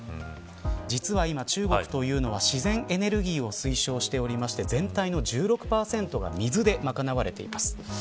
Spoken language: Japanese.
実は今、中国は自然エネルギーを推奨しておりまして全体１６％が水で賄われています。